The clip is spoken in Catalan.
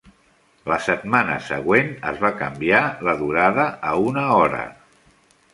La setmana següent es va canviar la durada a una hora.